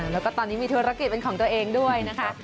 แล้วก็ตอนนี้มีธุรกิจเป็นของตัวเองด้วยนะคะ